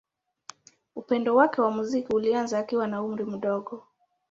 Upendo wake wa muziki ulianza akiwa na umri mdogo.